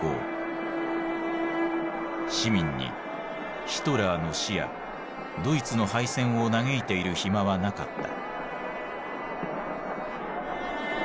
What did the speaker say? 市民にヒトラーの死やドイツの敗戦を嘆いている暇はなかった。